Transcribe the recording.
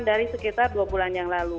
dari sekitar dua bulan yang lalu